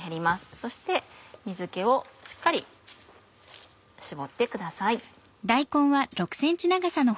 そして水気をしっかり絞ってください。